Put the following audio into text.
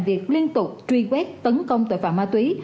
việc liên tục truy quét tấn công tội phạm ma túy